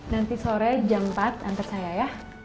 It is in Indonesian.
nanti sore jam empat antar saya ya